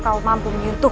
aku akan mencari kebaikanmu